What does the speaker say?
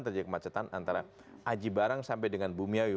terjadi kemacetan antara aji barang sampai dengan bumiayu